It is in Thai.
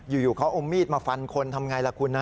อยู่เขาอมมิตรมาฟันคนทำอย่างไรล่ะคุณนะ